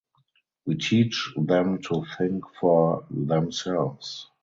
We teach them to think for themselves.